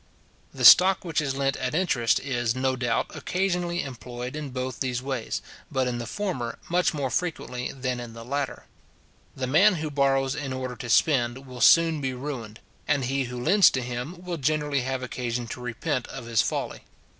The stock which is lent at interest is, no doubt, occasionally employed in both these ways, but in the former much more frequently than in the latter. The man who borrows in order to spend will soon be ruined, and he who lends to him will generally have occasion to repent of his folly.